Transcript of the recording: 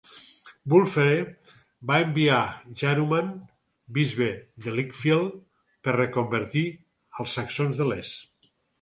Wulfhere va enviar a Jaruman, bisbe de Lichfield, per reconvertir els saxons de l'est.